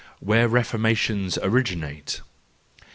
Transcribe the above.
Where Reformations Originate .'